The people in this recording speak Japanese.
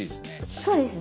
そうですね。